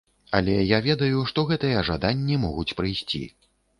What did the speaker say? Але я ведаю, што гэтыя жаданні могуць прыйсці.